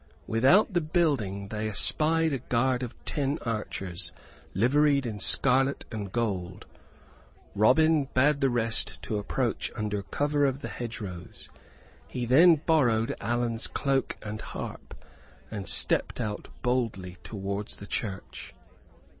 Without the building they espied a guard of ten archers liveried in scarlet and gold. Robin bade the rest to approach under cover of the hedgerows. He then borrowed Allan's cloak and harp, and stepped out boldly towards the church.